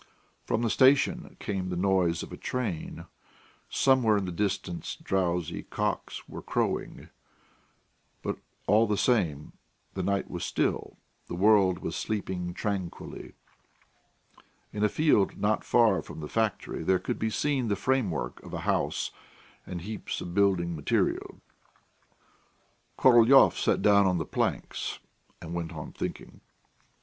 From the station came the noise of a train; somewhere in the distance drowsy cocks were crowing; but, all the same, the night was still, the world was sleeping tranquilly. In a field not far from the factory there could be seen the framework of a house and heaps of building material. Korolyov sat down on the planks and went on thinking.